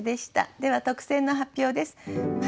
では特選の発表です。